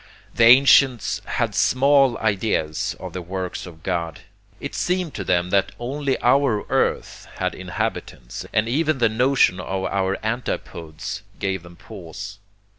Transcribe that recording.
The ancients had small ideas of the works of God. ... It seemed to them that only our earth had inhabitants, and even the notion of our antipodes gave them pause.